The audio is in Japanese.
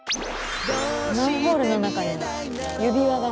マンホールの中に指輪が。